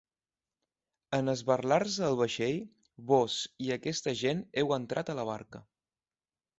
En esberlar-se el vaixell, vós i aquesta gent heu entrat a la barca.